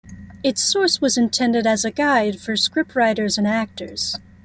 Its source was intended as a guide for scriptwriters and actors.